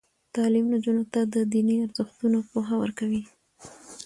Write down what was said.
تعلیم نجونو ته د دیني ارزښتونو پوهه ورکوي.